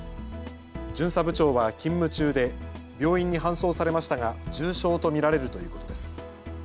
巡査部長は勤務中で病院に搬送されましたが重傷と見られるということです。